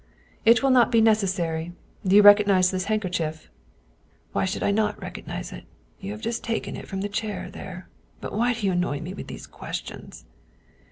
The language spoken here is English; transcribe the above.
" It will not be necessary. Do you recognize this hand kerchief?" "Why should I not recognize it? You have just taken it from the chair there. But why do you annoy me with these questions